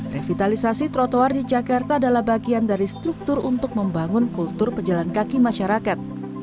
revitalisasi trotoar di jakarta adalah bagian dari struktur untuk membangun kultur pejalan kaki masyarakat